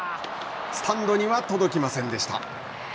スタンドには届きませんでした。